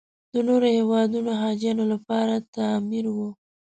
د نورو هېوادونو حاجیانو لپاره تعمیر و.